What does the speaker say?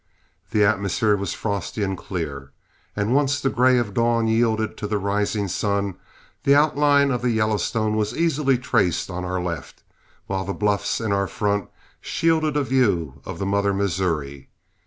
The atmosphere was frosty and clear, and once the gray of dawn yielded to the rising sun, the outline of the Yellowstone was easily traced on our left, while the bluffs in our front shielded a view of the mother Missouri.